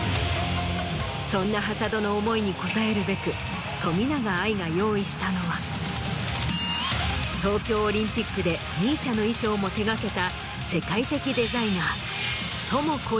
そんな挾土の思いに応えるべく冨永愛が用意したのは東京オリンピックでＭＩＳＩＡの衣装も手がけた。